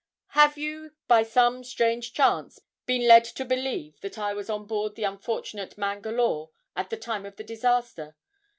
'Have you by some strange chance been led to believe that I was on board the unfortunate "Mangalore" at the time of the disaster?